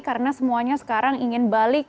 karena semuanya sekarang ingin balik